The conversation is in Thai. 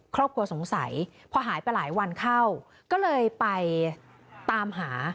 ครอบครัวสงสัยพอหายไปหลายวันเข้าก็เลยไปตามหา